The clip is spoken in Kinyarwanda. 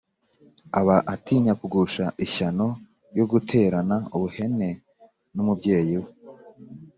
aba atinyakugusha ishyano ryo guterana ubuhene n'umubyeyi we